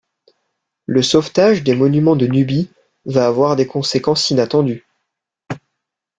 Le sauvetage des monuments de Nubie va avoir des conséquences inattendues.